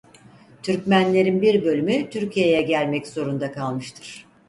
Türkmenlerin bir bölümü Türkiye'ye gelmek zorunda kalmıştır.